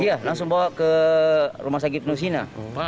iya langsung bawa ke rumah sakit nusina